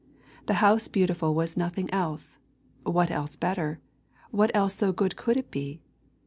The House Beautiful was nothing else, what else better, what else so good could it be?